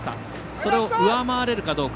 それを上回れるかどうか。